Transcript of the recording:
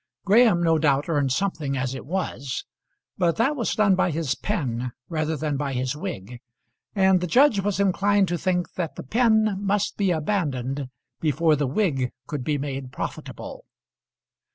Graham no doubt earned something as it was, but that was done by his pen rather than by his wig, and the judge was inclined to think that the pen must be abandoned before the wig could be made profitable.